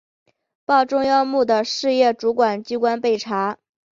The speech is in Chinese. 报中央目的事业主管机关备查